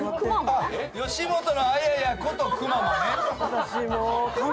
吉本のあややことくままね。